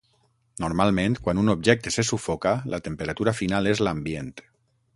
Normalment, quan un objecte se sufoca, la temperatura final és l'ambient.